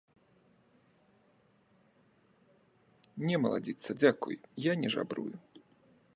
Не, маладзіца, дзякуй, я не жабрую.